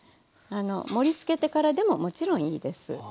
盛りつけてからでももちろんいいです。